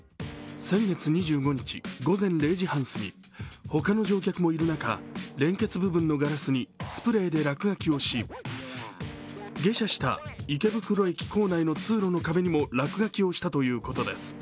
先月２５日、午前０時半すぎ他の乗客もいる中連結部分のガラスにスプレーで落書きをし下車した池袋駅構内にも落書きをしたということです。